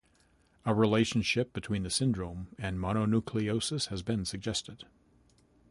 A relationship between the syndrome and mononucleosis has been suggested.